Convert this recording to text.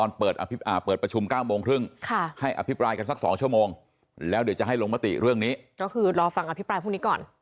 คือรอฟังประชุมประชุมนี้ก่อน